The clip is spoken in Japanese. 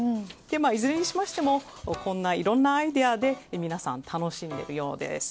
いずれにしましてもいろんなアイデアで皆さん、楽しんでいるようです。